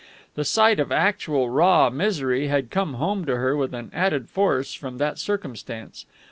The sight of actual raw misery had come home to her with an added force from that circumstance.